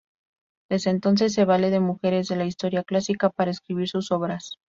Desde entonces se vale de mujeres de la historia clásica para escribir sus obras.